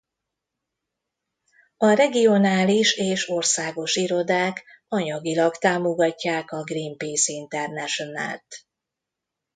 A regionális és országos irodák anyagilag támogatják a Greenpeace International-t.